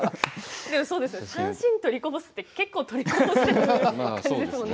３シーン取りこぼすって結構、取りこぼしてる感じですもんね。